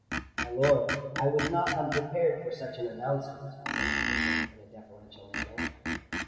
"My lord, I was not unprepared for such an announcement," said Egerton, in a deferential manner.